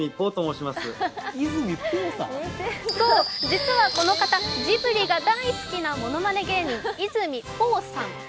実はこの方、ジブリが大好きなものまね芸人いずみ包さん。